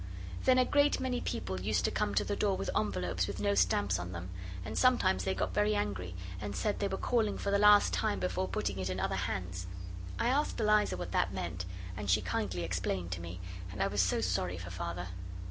Then a great many people used to come to the door with envelopes with no stamps on them, and sometimes they got very angry, and said they were calling for the last time before putting it in other hands. I asked Eliza what that meant, and she kindly explained to me, and I was so sorry for Father.